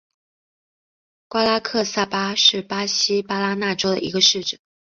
瓜拉克萨巴是巴西巴拉那州的一个市镇。